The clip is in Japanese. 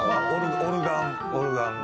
オルガンオルガン。